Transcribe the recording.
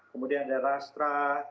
kemudian ada rastra